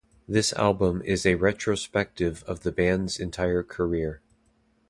This album is a retrospective of the band's entire career.